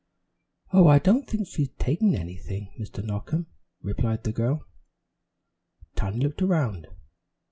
"Oh, I don't think she'd take anything, Mr. Knockem," replied the girl. Tiny looked around.